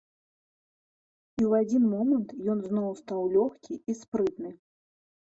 І ў адзін момант ён зноў стаў лёгкі і спрытны.